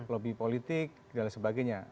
lobby politik dan sebagainya